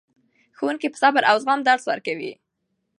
ښوونکي په صبر او زغم درس ورکوي.